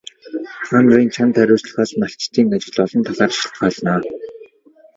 Та нарын чанд хариуцлагаас малчдын ажил олон талаар шалтгаална.